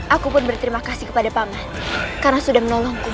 aku pun berterima kasih kepada paman karena sudah menolongku